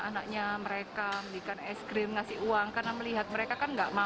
anaknya mereka belikan es krim ngasih uang karena melihat mereka kan enggak mampu gitu